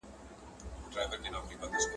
ډیجیټل زده کړه ماشومان په ښوونځي کې پرمختګ کوي.